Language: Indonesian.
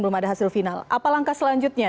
belum ada hasil final apa langkah selanjutnya